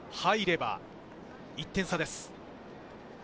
入れば１点差です。